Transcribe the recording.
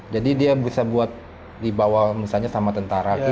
jadi dia bisa dibawa misalnya sama tentara kita